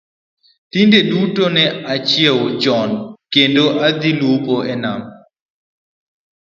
Kinde duto ne ajachiew chon kendo dhi lupo e Nam